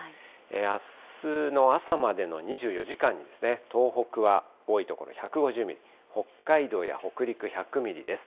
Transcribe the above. あすの朝までの２４時間に、東北は多い所１５０ミリ、北海道や北陸１００ミリです。